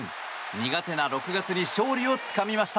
苦手な６月に勝利をつかみました。